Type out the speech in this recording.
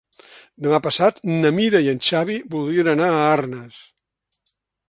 Demà passat na Mira i en Xavi voldrien anar a Arnes.